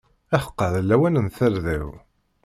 Ḥeqqa d lawan n tarda-w!